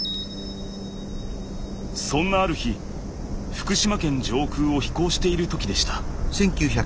そんなある日福島県上空を飛行している時でした。